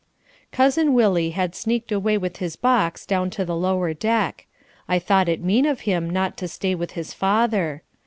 Cousin Willie had sneaked away with his box down to the lower deck. I thought it mean of him not to stay with his father.